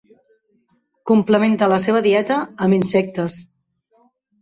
Complementa la seva dieta amb insectes.